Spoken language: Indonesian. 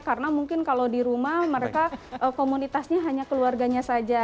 karena mungkin kalau di rumah mereka komunitasnya hanya keluarganya saja